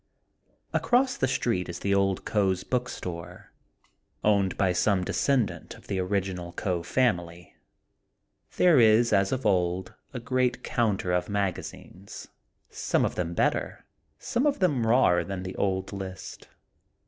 ^ Across the street is the old Coe's Book Store, owned by some descendant of the origi nal Coe family. There is, as of old, a great counter of magazines, some of them better, some of them rawer than the old list.